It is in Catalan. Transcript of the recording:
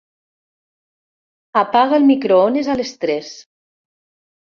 Apaga el microones a les tres.